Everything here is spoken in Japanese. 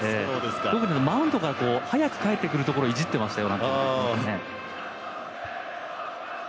特にマウンドから早く帰ってくるところをいじっていましたよ。